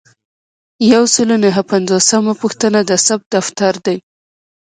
یو سل او نهه پنځوسمه پوښتنه د ثبت دفتر دی.